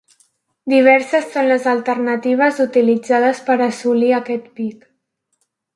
Diverses són les alternatives utilitzades per assolir aquest pic.